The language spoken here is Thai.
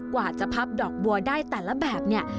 กว่าจะพับดอกบัวได้แต่ละแบบเนี่ย